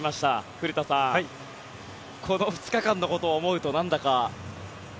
古田さん、この２日間のことを思うとなんだか。